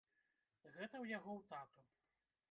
Гэта ў яго ў тату.